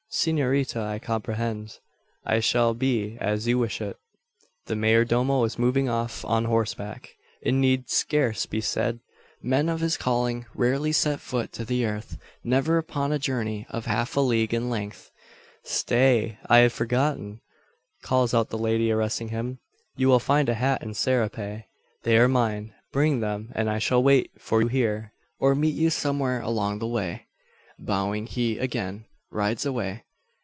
"S'norita, I comprehend. It shall be as you wish it." The mayor domo is moving off on horseback, it need scarce be said. Men of his calling rarely set foot to the earth never upon a journey of half a league in length. "Stay! I had forgotten!" calls out the lady, arresting him. "You will find a hat and serape. They are mine. Bring them, and I shall wait for you here, or meet you somewhere along the way." Bowing, he again rides away.